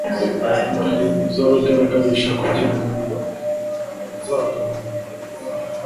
uzabigaragarisha kugira umuriro, uzagabanywa